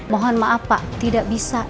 mohon maaf pak tidak bisa